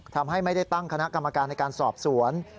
ทำให้ไม่ได้ตั้งคณะกรรมการในการสอบสวน